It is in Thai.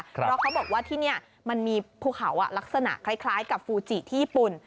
เพราะเขาบอกว่าที่นี่มันมีภูเขาลักษณะคล้ายกับฟูจิที่ญี่ปุ่น